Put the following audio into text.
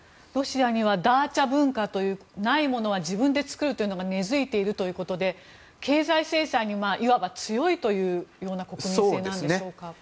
ロシアにはダーチャ文化というないものは自分で作るというのが根付いているということで経済制裁にいわば強いというような国民性なんでしょうか。